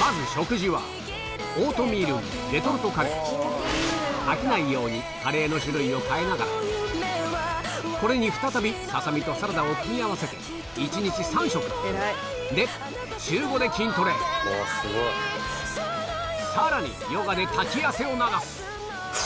まず食事はオートミールにレトルトカレー飽きないようにカレーの種類を替えながらこれに再びササミとサラダを組み合わせて一日３食で週５で筋トレさらにヨガで滝汗を流すフ！